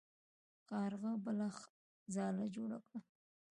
کارغه بله ځاله جوړه کړه.